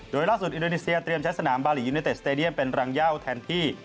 โดยล่าสุดอินโดนีเซียเตรียมใช้สนามบาลียูเนเต็ดสเตดียมเป็นรังเย่าแทนที่